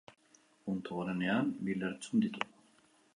Puntu gorenean bi lertxun ditu.